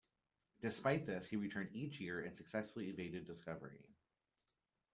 Despite this he returned each year and successfully evaded discovery.